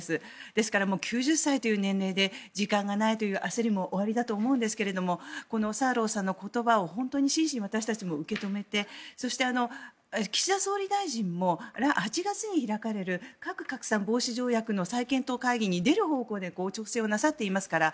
ですから９０歳という年齢で時間がないという焦りもおありだと思うんですがこのサーローさんの言葉を本当に真摯に私たちも受け止めてそして、岸田総理大臣も８月に開かれる核拡散防止条約の再検討会議に出る方向で調整をしていますから